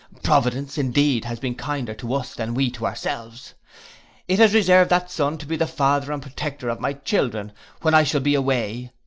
Providence, indeed, has here been kinder to us than we to ourselves. It has reserved that son to be the father and protector of my children when I shall be away.